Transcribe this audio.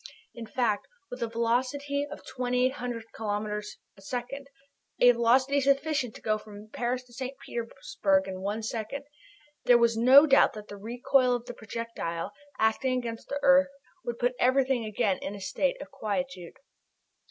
In fact, with a velocity of 2,800 kilometres a second, a velocity sufficient to go from Paris to St. Petersburg in one second, there was no doubt that the recoil of the projectile, acting against the earth, would put everything again in a state of quietude.